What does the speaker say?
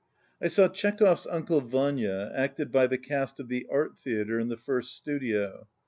I SAW Chekhov's "Uncle Vanya" acted by the cast of the Art Theatre in the First Studio.